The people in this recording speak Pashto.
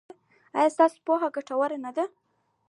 ایا ستاسو پوهه ګټوره نه ده؟